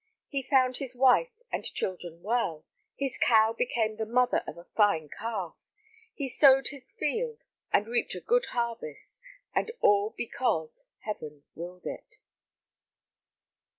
He found his wife and children well; his cow became the mother of a fine calf; he sowed his field, and reaped a good harvest, and all because Heaven willed it.